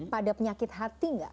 pada penyakit hati gak